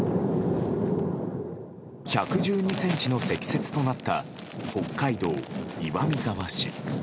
１１２ｃｍの積雪となった北海道岩見沢市。